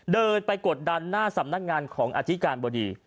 เดินไปกดดันหน้าสำนักงานของอธิการบดี